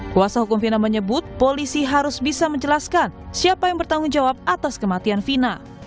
kuasa hukum fina menyebut polisi harus bisa menjelaskan siapa yang bertanggung jawab atas kematian vina